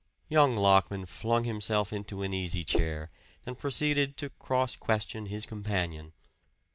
Young Lockman flung himself into an easy chair and proceeded to cross question his companion.